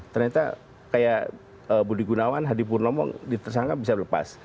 ternyata kayak budi gunawan hadi purnomo tersangka bisa lepas